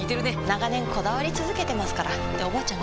長年こだわり続けてますからっておばあちゃん